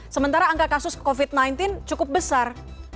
sementara angka kasus covid sembilan belas cukup besar